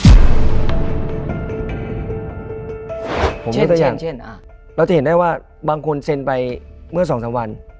ผมรู้ตัวอย่างบางคนเซ็นไปเมื่อ๒๓วัน